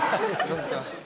存じてます。